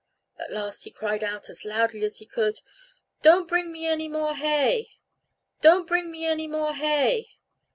At last he cried out as loudly as he could, "Don't bring me any more hay! Don't bring me any more hay!"